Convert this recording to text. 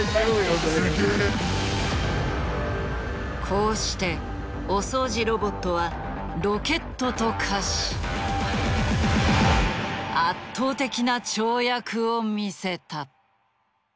こうしてお掃除ロボットはロケットと化し圧倒的な跳躍を見せた。